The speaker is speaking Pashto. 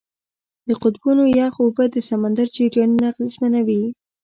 د قطبونو یخ اوبه د سمندر جریانونه اغېزمنوي.